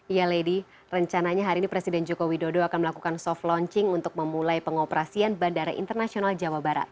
ya lady rencananya hari ini presiden joko widodo akan melakukan soft launching untuk memulai pengoperasian bandara internasional jawa barat